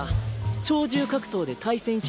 超獣格闘で対戦しない？